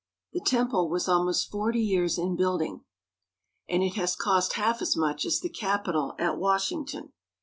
The temple was almost forty years in building, and it has cost half as much as the Capitol at Washington.